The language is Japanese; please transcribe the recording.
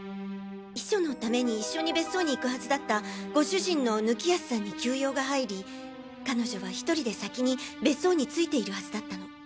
避暑のために一緒に別荘に行くはずだったご主人の貫康さんに急用が入り彼女は１人で先に別荘に着いているはずだったの。